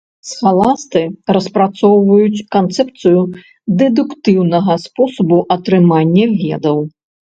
Схаласты распрацоўваюць канцэпцыю дэдуктыўнага спосабу атрымання ведаў.